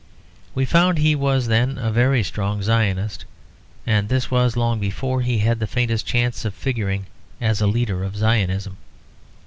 We found he was then a very strong Zionist; and this was long before he had the faintest chance of figuring as a leader of Zionism.